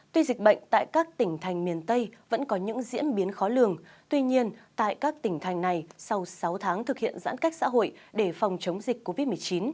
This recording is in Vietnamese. tuy dịch bệnh tại các tỉnh thành miền tây vẫn có những diễn biến khó lường tuy nhiên tại các tỉnh thành này sau sáu tháng thực hiện giãn cách xã hội để phòng chống dịch covid một mươi chín